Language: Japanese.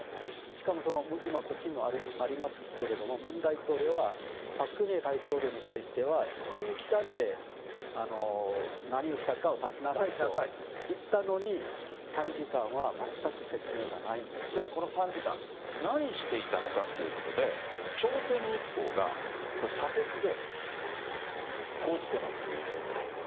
しかも今、こっちにもありますけれども、ムン大統領はパク・クネ大統領に対しては、分刻みで何をしたかを出しなさいと言ったのに、じゃあ、この３時間、何していたのかっていうことで、朝鮮日報が社説で報じてます。